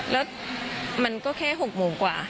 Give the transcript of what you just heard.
แล้วมันก็แค่๖โมงกว่า